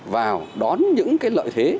vào đón những cái lợi thế